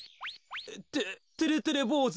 っててれてれぼうず？